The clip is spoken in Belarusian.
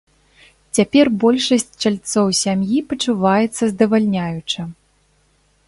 Цяпер большасць чальцоў сям'і пачуваецца здавальняюча.